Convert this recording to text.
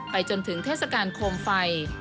จนถึงเทศกาลโคมไฟ